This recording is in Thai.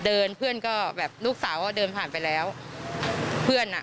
เธอขนลุกเลยนะคะเสียงอะไรอีกเสียงอะไรบางอย่างกับเธอแน่นอนค่ะ